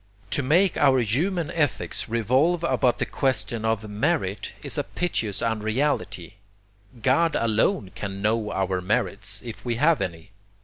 To make our human ethics revolve about the question of 'merit' is a piteous unreality God alone can know our merits, if we have any.